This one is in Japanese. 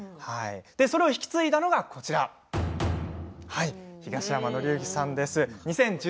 それを引き継いだのが東山紀之さんです。